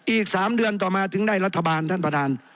อีก๓เดือนต่อมาถึงได้รัฐบาลท่านประธาน